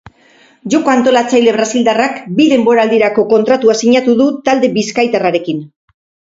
Joko-antolatzaile brasildarrak bi denboraldirako kontratua sinatu du talde bizkaitarrarekin.